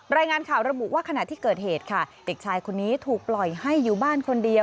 รายงานข่าวระบุว่าขณะที่เกิดเหตุค่ะเด็กชายคนนี้ถูกปล่อยให้อยู่บ้านคนเดียว